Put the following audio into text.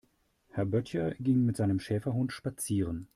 Herr Böttcher ging mit seinem Schäferhund spazieren.